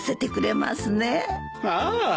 ああ。